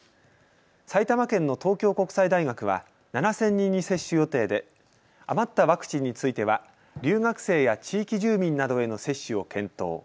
埼玉県の東京国際大学は７０００人に接種予定で余ったワクチンについては留学生や地域住民などへの接種を検討。